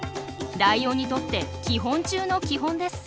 ライオンにとって基本中の基本です。